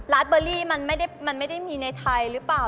ลาตเบอรี่มันไม่ได้มีในไทยรึเปล่า